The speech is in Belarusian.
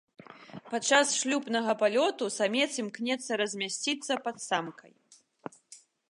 Падчас шлюбнага палёту самец імкнецца размясціцца пад самкай.